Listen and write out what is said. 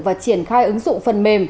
và triển khai ứng dụng phần mềm